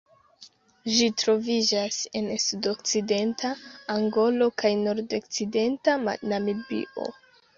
Ĝi troviĝas en sudokcidenta Angolo kaj nordokcidenta Namibio.